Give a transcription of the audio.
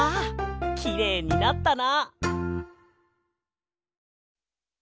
きれいになったな！